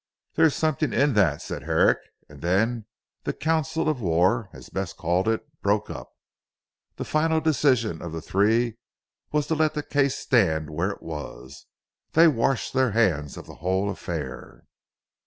"There is something in that," said Herrick, and then the council of war as Bess called it broke up. The final decision of the three was to let the case stand where it was. They washed their hands of the whole affair.